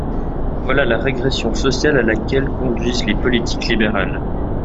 Voilà la régression sociale à laquelle conduisent les politiques libérales.